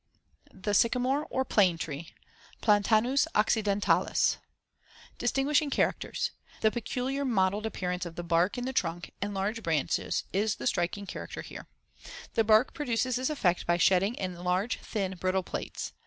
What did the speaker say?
] THE SYCAMORE OR PLANE TREE (Platanus occidentalis) Distinguishing characters: The peculiar *mottled appearance* of the *bark* (Fig. 48) in the trunk and large branches is the striking character here. The bark produces this effect by shedding in large, thin, brittle plates.